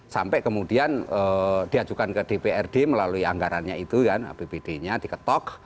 sampai kemudian diajukan ke dprd melalui anggarannya itu kan apbd nya diketok